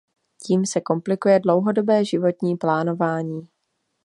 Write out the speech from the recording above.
Tím se komplikuje dlouhodobé životní plánování.